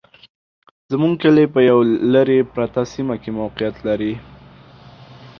زموږ کلي په يوه لري پرته سيمه کي موقعيت لري